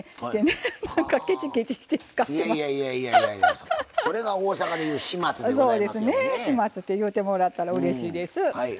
そうですね始末って言うてもらったらうれしいです。